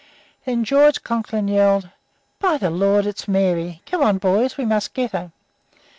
Then George Conklin yelled, 'By the Lord, it's Mary! Come on, boys; we must get her!'